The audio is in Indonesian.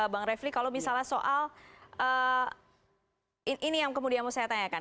bang refli kalau misalnya soal ini yang kemudian mau saya tanyakan